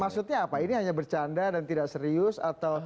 maksudnya apa ini hanya bercanda dan tidak serius atau